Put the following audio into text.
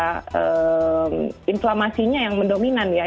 karena inflamasinya yang mendominan ya